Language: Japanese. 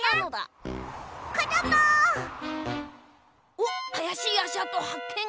おっあやしいあしあとはっけん！